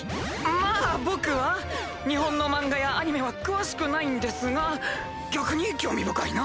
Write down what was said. まぁ僕は日本の漫画やアニメは詳しくないんですが逆に興味深いな。